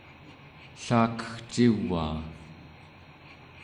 ellakegcivaa